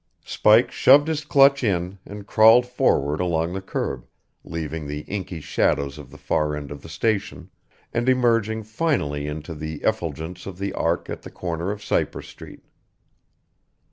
Spike shoved his clutch in and crawled forward along the curb, leaving the inky shadows of the far end of the station, and emerging finally into the effulgence of the arc at the corner of Cypress Street.